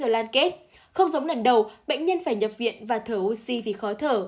làn kết không giống lần đầu bệnh nhân phải nhập viện và thở oxy vì khó thở